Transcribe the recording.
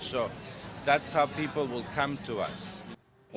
jadi itulah cara orang orang akan datang ke kami